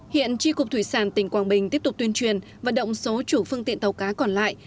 hiện tri cục thủy sản tỉnh quảng bình tiếp tục tuyên truyền vận động số chủ phương tiện tàu cá còn lại